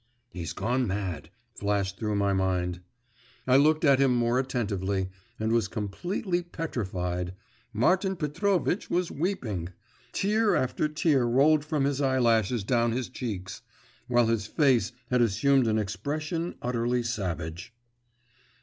'He's gone mad!' flashed through my mind. I looked at him more attentively, and was completely petrified; Martin Petrovitch was weeping!! Tear after tear rolled from his eyelashes down his cheeks … while his face had assumed an expression utterly savage.